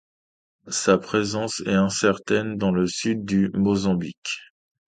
Sa présence est incertaine dans le sud du Mozambique.